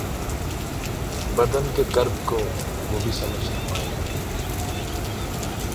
بدن کے کرب کو وہ بھی سمجھ نہ پائے گا